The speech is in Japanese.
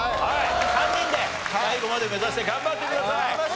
３人で最後まで目指して頑張ってください。